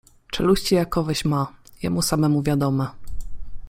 Czeluści jakoweś ma, jemu samemu wiadome.